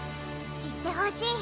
知ってほしい！